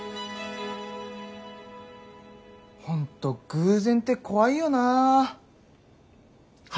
本当偶然って怖いよな。は？